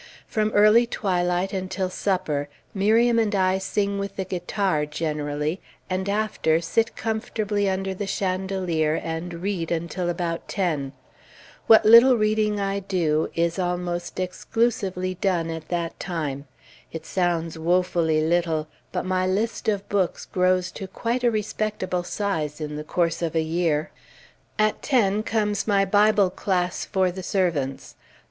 From early twilight until supper, Miriam and I sing with the guitar, generally, and after, sit comfortably under the chandelier and read until about ten. What little reading I do, is almost exclusively done at that time. It sounds woefully little, but my list of books grows to quite a respectable size, in the course of a year. At ten comes my Bible class for the servants.